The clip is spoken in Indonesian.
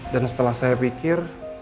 dan setelah saya pikir